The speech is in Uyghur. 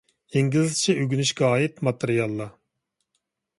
ئىنگلىزچە ئۆگىنىشكە ئائىت ماتېرىياللار